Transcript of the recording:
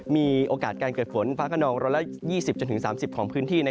มีโอกาสเกิดฝนฟ้ากระนองรวมละ๒๐๓๐ของพื้นที่